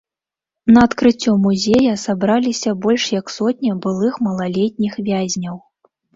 На адкрыццё музея сабраліся больш як сотня былых малалетніх вязняў.